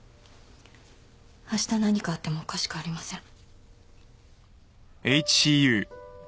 あした何かあってもおかしくありません。